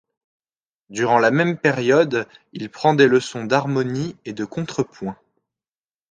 Durant la même période, il prend des leçons d'harmonie et de contrepoint.